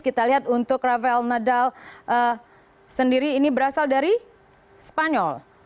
kita lihat untuk rafael nadal sendiri ini berasal dari spanyol